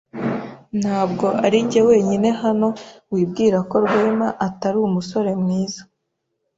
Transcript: Ntabwo arinjye wenyine hano wibwira ko Rwema atari umusore mwiza.